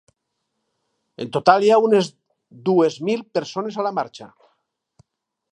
En total hi ha unes dues mil persones a la marxa.